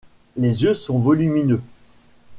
Les yeux sont volumineux.